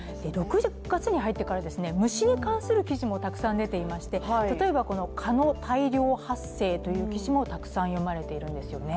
６月に入ってから虫に関する記事もたくさん出ていまして例えば、蚊の大量発生という記事もたくさん読まれているんですよね。